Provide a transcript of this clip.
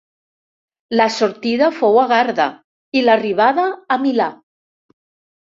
La sortida fou a Garda i l'arribada a Milà.